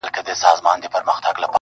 زما د ښار ځوان.